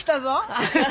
アハハ。